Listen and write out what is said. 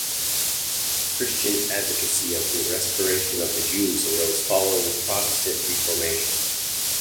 Christian advocacy of the restoration of the Jews arose following the Protestant Reformation.